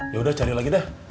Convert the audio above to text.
yaudah cari lagi deh